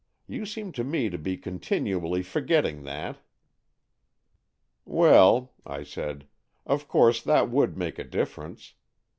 You seem to me to be continually forgetting that." "Well," I said, "of course that would make a difference.